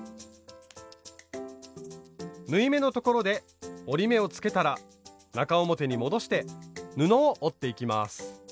縫い目のところで折り目をつけたら中表に戻して布を折っていきます。